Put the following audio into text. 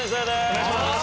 お願いします。